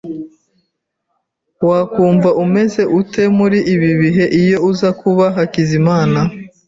Wakumva umeze ute muri ibi bihe iyo uza kuba Hakizimana ?